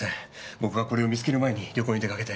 僕がこれを見つける前に旅行に出かけて。